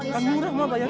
kan murah mau bayarin